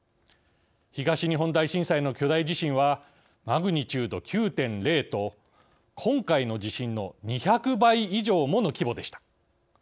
東日本大震災の巨大地震はマグニチュード９．０と今回の地震の２００倍以上もの規模でした。